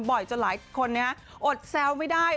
จนหลายคนอดแซวไม่ได้